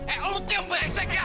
eh lu diam bresek ya